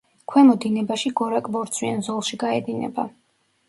ქვემო დინებაში გორაკ-ბორცვიან ზოლში გაედინება.